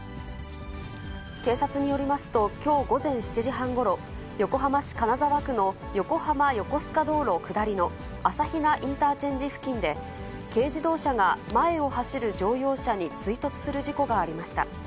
警察によりますと、きょう午前７時半ごろ、横浜市金沢区の横浜横須賀道路下りの朝比奈インターチェンジ付近で、軽自動車が前を走る乗用車に追突する事故がありました。